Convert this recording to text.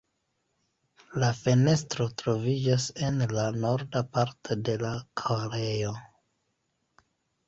La fenestro troviĝas en la norda parto de la ĥorejo.